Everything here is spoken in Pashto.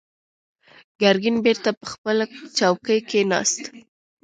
ګرګين بېرته پر خپله څوکۍ کېناست.